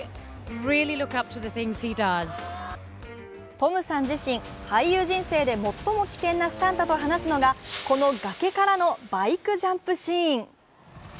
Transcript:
トムさん自身、俳優人生で最も危険なスタントと話すのがこの崖からのバイクジャンプシーン。